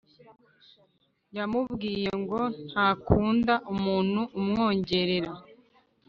yamubwiye ngo ntakunda umuntu umwongorera